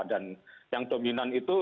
dan yang dominan itu